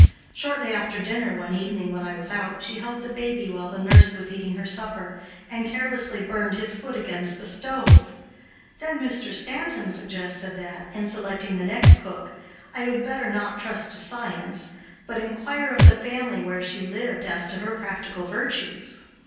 Shortly after dinner, one evening when I was out, she held the baby while the nurse was eating her supper, and carelessly burned his foot against the stove. Then Mr. Stanton suggested that, in selecting the next cook, I would better not trust to science, but inquire of the family where she lived as to her practical virtues.